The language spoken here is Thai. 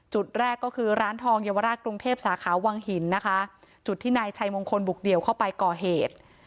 จุดแรกก็คือร้านทองเยาวราชกรุงเทพสาขาวังหินนะคะจุดที่นายชัยมงคลบุกเดี่ยวเข้าไปก่อเหตุ